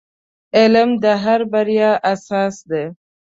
• علم د هر بریا اساس دی.